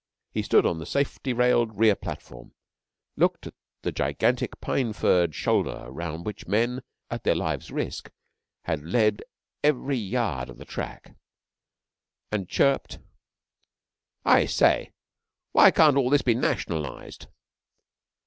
He stood on the safely railed rear platform, looked at the gigantic pine furred shoulder round which men at their lives' risk had led every yard of the track, and chirruped: 'I say, why can't all this be nationalised?'